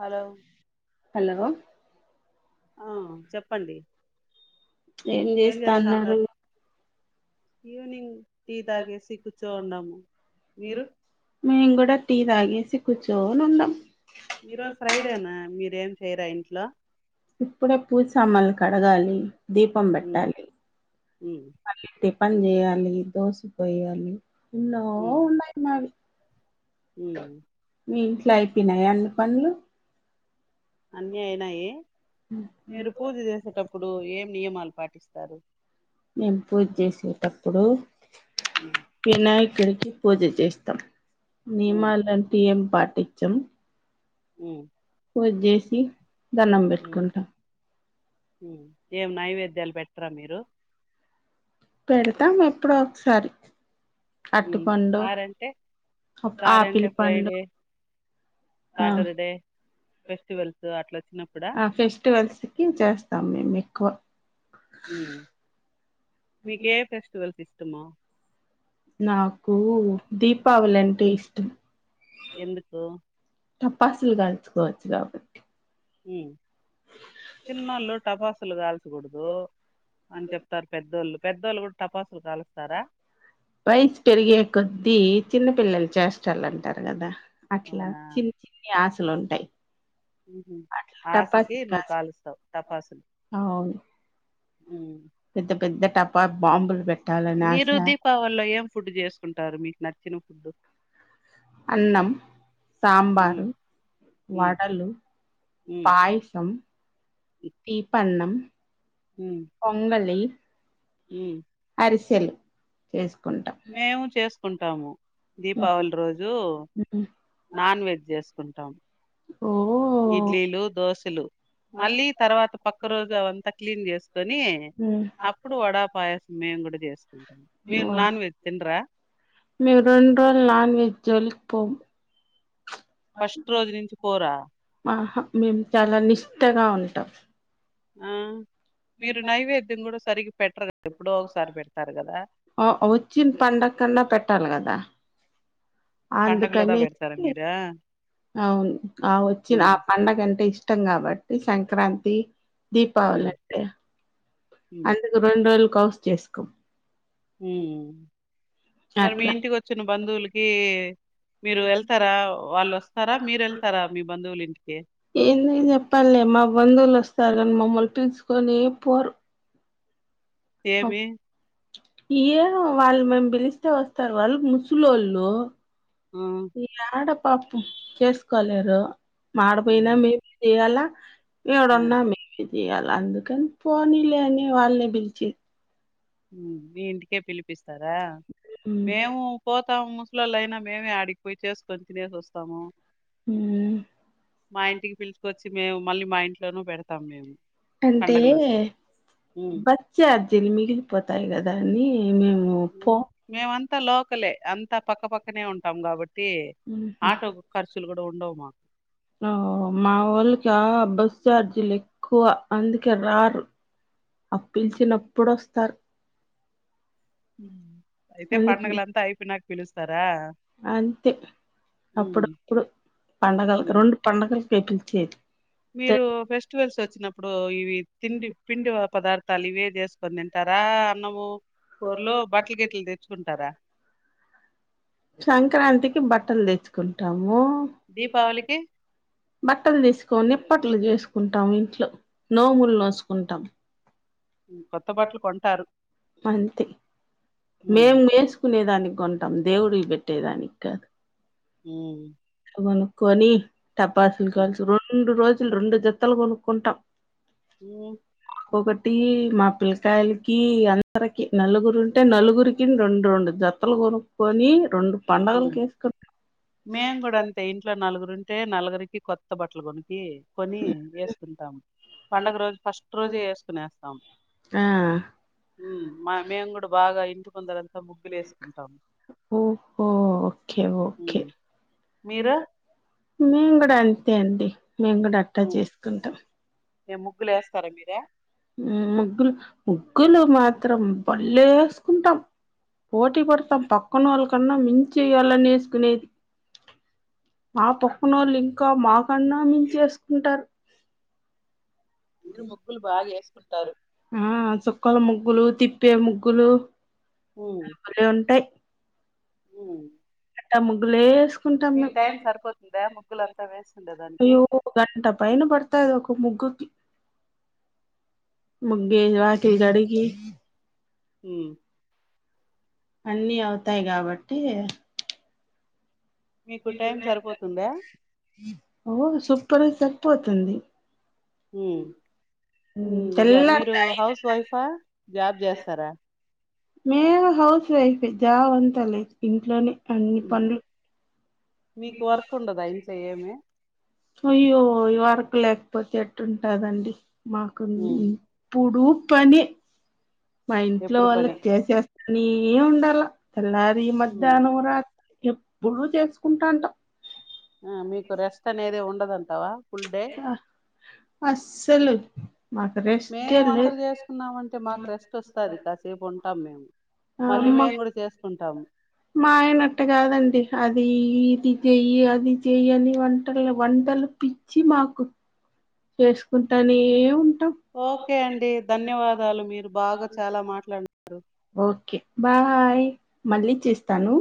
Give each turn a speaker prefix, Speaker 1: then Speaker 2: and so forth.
Speaker 1: Hello
Speaker 2: hello
Speaker 1: ఆ చెప్పండి ఏం చేస్తాన్నారు ఈవనింగ్ మీరు
Speaker 2: మీే కూడాట టీద ఆగి సి కుచోనన్నా
Speaker 1: ఈ రోజు ఫ్రైడేనా మీరేం చేయరా ఇంట్లో
Speaker 2: ఇప్పుడే పూస అమలు కడగాలి దీపం
Speaker 1: ఉమ్
Speaker 2: పెట్టాలి
Speaker 1: ఉమ్
Speaker 2: అే పని చేయాలి దోసి పోయాలి ఎన్నో ఉన్నాయి మావి
Speaker 1: హ
Speaker 2: ఇట్లా అయిపోయినాయి అన్ని పనులు
Speaker 1: అన్నీ అయినాయి మీరు పూజ చేసేటప్పుడు ఏం నియమాలు పాటిస్తారు
Speaker 2: మేను పూజ చేసేటప్పుడు
Speaker 1: ఉమ్
Speaker 2: పన్న దగ్గరికి పూజ చేస్తాం
Speaker 1: ఉమ్
Speaker 2: నిమాలంత ఏం పాట్ పటిచ్చం
Speaker 1: ఉ
Speaker 2: వజేసి దనం
Speaker 1: ఉమ్
Speaker 2: పెట్టుకుంటాం
Speaker 1: ఏం నైవేద్యాలు పెట్టరా మీరు
Speaker 2: పెడతాం ఎప్పుడ ఒకసారి కట్
Speaker 1: ఉమ్
Speaker 2: పండు
Speaker 1: సారంటే సారంటే
Speaker 2: ఆపిలి
Speaker 1: ఫ్రైడే
Speaker 2: పండు ఆ
Speaker 1: సాటర్డే ఫెస్టివల్స్ అట్లా వచ్చినప్పుడా
Speaker 2: ఆ ఫెస్టివల్స్కిి చేస్తాం మేము ఎక్కువ
Speaker 1: మీకే ఫెస్టివల్స్ ఇస్తా ష్టము
Speaker 2: నాకు దీపావళి అంటే ఇష్టం
Speaker 1: ఎందుకు
Speaker 2: టపసులు కాలుచుకోవచ్చు కాబట్టి
Speaker 1: హమ్ చిన్నోళ్ళు టపాసులు కాల్చకూడరు అని చెప్తారు పెద్దోళ్ళు పెద్దోళ్ళు కూడా టపాస్
Speaker 2: వయసు పెరిగే కొద్ద్దీ చిన్న పిల్లలు చేస్తాలంటారు కదా అట్లా
Speaker 1: అవునా
Speaker 2: చిన్ని చిన్ని ఆశలు లుంటాయి
Speaker 1: ఆశకి నువ్వు కాలుస్తావు తపాసులు
Speaker 2: అవును పెద్ద పె ద్ద టపాస్ బాంబలు పె
Speaker 1: మీరు దీపావళిలో ఏం ఫుడ్ చేసుకుంటారు మీకు నచ్చి చ్చిన ఫుడ్డు
Speaker 2: అన్నం
Speaker 1: ఉమ్
Speaker 2: సాంబారు
Speaker 1: ఉమ్
Speaker 2: వడలు
Speaker 1: ఉమ్
Speaker 2: పాయసం తీీపన్నం పొంగలి
Speaker 1: హమ్
Speaker 2: సెలు చేసుకో
Speaker 1: మేము చేసుకుంటాం ట్టాము దీపావళి రోజు నాన్ వెజ్ చేసు ంటాం
Speaker 2: ఓ
Speaker 1: ఇడ్లీలు దోశలు మళ్ళీ తర్వాత పక్క రోజు అవంతా క్లీన్ చేస్త కొని
Speaker 2: ఉమ్.
Speaker 1: అప్పుడు వడా పాయ మేము కూడా చేస్తాం మీరు నాన్ వెెజ్ తింటారా
Speaker 2: మీము రెండు రోజులు నాన్ వెజ్ జోలికి పోం
Speaker 1: ఫస్ట్ రోజు నుంచి పోరా
Speaker 2: ఆహా మేము చాలా నిష్టగా ఉంటాం
Speaker 1: ఆ మీరు నైవేద్యం కూడా సరిగ్గా పెట్టరు క ఎప్పుడో ఒకసారి పెడతారు కదా
Speaker 2: ఆ వచ్చిన పండగ కండా పెట్టాలి కదా
Speaker 1: పండగలదా పెడతారా
Speaker 2: అందుకనేసి
Speaker 1: మీరా
Speaker 2: అవును ఆ వచ్చిన
Speaker 1: ఉమ్,
Speaker 2: ఆ పండగంటే ఇష్టం ఇష్టం కాబట్టి సంక్రాంతి
Speaker 1: ఆ,
Speaker 2: దీపావళ అంటే
Speaker 1: ఉమ్,
Speaker 2: అందుకు రెండు రోజులు కాస్ చేసుకో
Speaker 1: హుమ్ మరి మీ
Speaker 2: అట్లా
Speaker 1: ఇంటికి వచ్చిన బంధువులకి మీరు వెళ్తారా వాళ్ళు వస్తారా మీరు వెళ్తారా మీ బంధువుల ఇంటికి
Speaker 2: ఏంది చెప్పాలి మా బంధువులు వస్తారు మమ్మల్ని పిలుచుకొని పోరు
Speaker 1: ఏమి
Speaker 2: ఏమో వాళ్ళు మేము పిలిస్తే వస్తారు వాళ్ళు ముసులోళ్ళు
Speaker 1: ఆ,
Speaker 2: ఇకాడ పప్పు చేసుకోలేదా
Speaker 1: ఆ,
Speaker 2: మాడపోయినా మేము చేయలా
Speaker 1: ఆ,
Speaker 2: ఏవడన్నా చేయ్యాల అందుకని పోనీలేని వాళ్ళే పిలిచి
Speaker 1: మీ ఇంటికే పిలిపు స్తారా మేము పోతాం ముసలోళ్ళు అయినా మేమే ఆడి పే చేసుకొని తినేసివస్త్ మూ
Speaker 2: ఉమ్
Speaker 1: మా ఇంటికి పిలుచుకొచ్చ వి మేము మళ్ళీ మా ఇంట్లోనూ పెడతాం మేము
Speaker 2: అంటే
Speaker 1: పండగలు వస్తే ఉమ్.
Speaker 2: బచ్చ ఛార్జిలు మిగిలిపోత వతాయి కదా అని మేము పో
Speaker 1: మేమంతా లో పక్కలే అంత పక్కపక్కనే ఉంటాం కాబట్టి టి
Speaker 2: ఉహు.
Speaker 1: ఆటో ఖర్చులు కూడా ఉండవు
Speaker 2: ఆ మా వాళ్ళకి బస్ ార్జీలు ఎక్కువ అందుకే రారు ఆ పిలిచినప్పుడు వస్తారు
Speaker 1: అయితే
Speaker 2: అందుకే
Speaker 1: పండగలంతా అయిపోయి నాకు పిలుస్తారా
Speaker 2: అంతే అప్పుడప్పుడు పెట్లు చే
Speaker 1: మీరు ఫెస్టివల్స్ వచ్చినప్పుడు ఇవి తిండి పిండి పదార్థాలు ఇవే చేసుకొని తింటారా అన్నము కూఊర్లో బట్టల గిట్లు తెచ్చుకుంటారా
Speaker 2: సంక్రాంతికి బట్టలు తెచ్చుకుంటాము ో
Speaker 1: దీపావళికి?
Speaker 2: బట్టలు తీసుకని నిప్పట్లు చేసుకుంటాం ఇంట్లో నోములు నోసుకుంటాం
Speaker 1: కొత్త బట్టలు కొంటారు
Speaker 2: అంతే
Speaker 1: హ్మ్.
Speaker 2: మేము వేసుకునే దానికి కొంటాం దేవుడికి పెట్టేదానికి కాదు
Speaker 1: ఉ
Speaker 2: తనుకుని టపాార్సులు
Speaker 1: హ్మ్.
Speaker 2: కాల్ రెండు రోజు రెండు జత్తలు కొనుక్కుంటాం
Speaker 1: హ్మ్.
Speaker 2: ఒకక మా పిల్లకాయలకి అందరికి నలుగురు ఉంటే నలుగురికి రెండు రెండు జత్తలు కొనుక్కకుొని రెండు
Speaker 1: హ్మ్.
Speaker 2: పండగలు కేసుకు
Speaker 1: మేము కూడా అంతే ఇంట్లో నలుగురు ఉంటే నలుగురికి కొత్త బట్టలు కొను ఏ కొని ఎ ంటాము పండుగ రోజు ఫస్ట్ రోజు వసుకునేస్తాం
Speaker 2: ఆ
Speaker 1: మేము కూడా బాగా ఇంటికందరంతా ముగ్గులు వేసుకుంటాము
Speaker 2: ఓహో ఓకే ఓకే
Speaker 1: ఉమ్, మీరు
Speaker 2: మంగడ ఎంత అడి మేము కూడా అట్టా చేసుకుంటాం
Speaker 1: లు వస్తా మీే
Speaker 2: ముగ్గులు ముగ్గులు మాత్రం బళ్లే వేసుకుంటాం పోటీ పడతాం పక్కన వాళ్ళ కన్నా మించి వయాలని వేసుకునేది మా పక్కనోళ్ళు ఇంకా మాకు కన్నాోమించేసుకుంటారు
Speaker 1: మీరు ముగ్గులు బాగా వేసుకుంటారు
Speaker 2: ఆ చుక్కలు ముగ్గులు తిప్ప ప్పే ముగ్గులు ళలే ఉంటాయి
Speaker 1: ఉ
Speaker 2: ముగలే కుంటాం మేము
Speaker 1: సరిపోతుందా ముగ్గులు అంతా వేస్తుండే దానికి
Speaker 2: అయ్యో గంట పైన పడతాంది ఒక ముగ్గుకి ముగ్గే వాకి గడికి
Speaker 1: హ
Speaker 2: అన్నిీ అవుతాయి్ కాబట్టి
Speaker 1: మీకు టైం సరిపోతుందా
Speaker 2: ఓ సపప పోతుంది
Speaker 1: జా మీరు
Speaker 2: తెల్లారితే ఐదు
Speaker 1: హౌస్ వైఫా జాబ్ చేస్తారా
Speaker 2: మేము హౌస్ వైఫ్ జాబ్ అంతా లేదు ఇంట్లోనే అన్నిీ
Speaker 1: ఉమ్,
Speaker 2: పం
Speaker 1: మీకు వర్కు ఉండదా అ చేయమే
Speaker 2: అయ్యోయ వరకు లేకపోతే ఎట్టుంటాదండి మాకు ఉడు పని మా ఇంట్లో
Speaker 1: ఎప్పుడు పని
Speaker 2: వాళ్ళకి కేసేస్త నీ ఉంటాల ఎల్లార
Speaker 1: ఉమ్,
Speaker 2: మధ్యాహ్నం రాత్ర ఎప్పుడు చేసుకుంటాంట
Speaker 1: ఆ మీకు రెస్ట్ అనేది ఉ
Speaker 2: అసలు
Speaker 1: మేము వంటలు చేసుకున్నామ అంటే మాకు రెస్ట్ వస్తుది కాసేపు ఉంటంది తమేము
Speaker 2: ఆ మా మాయనట్ట కాదండి అది ఇది చెయ్యి అది చెయ్య అని వంటలు వంటలు పిచ్చి మాకు చేసుకుంటానే ఏ
Speaker 1: ఓకే అండి ధన్యవాదాలు మీరు బాగా చాలా మాట్లాడుతారు
Speaker 2: ఓకే బాయ్ మళ్ళీ చేస్తాను